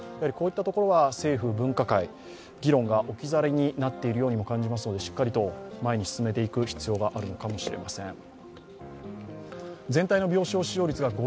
こういったところは政府分科会、議論が置き去りになっているようにも感じますので、しっかりと前に進めていく必要があるのかもしれません。